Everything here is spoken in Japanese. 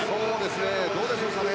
どうでしょうかね。